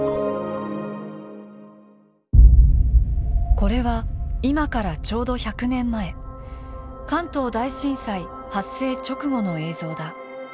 これは今からちょうど１００年前関東大震災発生直後の映像だ。